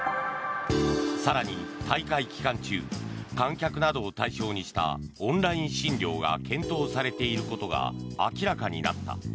更に、大会期間中観客などを対象にしたオンライン診療が検討されていることが明らかになった。